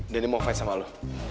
dan dia mau fight sama lo